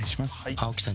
・青木さん